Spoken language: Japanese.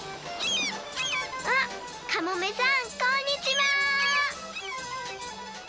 あっカモメさんこんにちは！